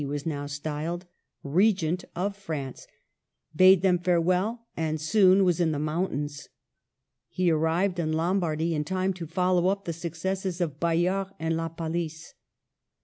3/ was now styled — Regent of France, bade them farewell, and soon was in the mountains. He arrived in Lombardy in time to follow up the successes of Bayard and La Palice.